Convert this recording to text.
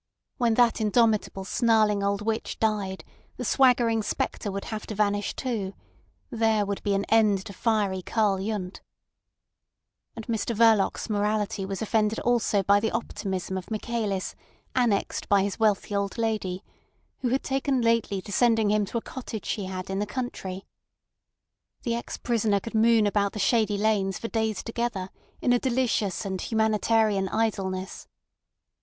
When that indomitable snarling old witch died the swaggering spectre would have to vanish too—there would be an end to fiery Karl Yundt. And Mr Verloc's morality was offended also by the optimism of Michaelis, annexed by his wealthy old lady, who had taken lately to sending him to a cottage she had in the country. The ex prisoner could moon about the shady lanes for days together in a delicious and humanitarian idleness.